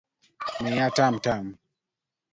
Miya tamtam